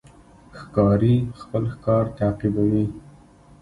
ښکاري خپل ښکار تعقیبوي.